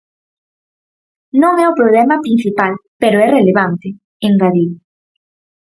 "Non é o problema principal, pero é relevante", engadiu.